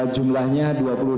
jumlahnya dua puluh ribu usd